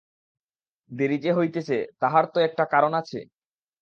দেরী যে হইতেছে তাহার তো একটা কারণ আছে?